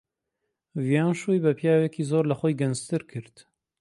ڤیان شووی بە پیاوێکی زۆر لە خۆی گەنجتر کرد.